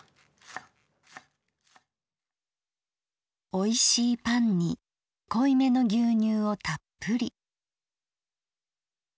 「おいしいパンに濃いめの牛乳をたっぷり。